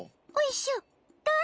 おいしょっ！